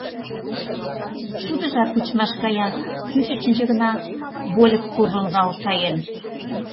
Шудыжат тичмаш гаяк, кӱшычынжӧ гына вольык пурлылдал каен.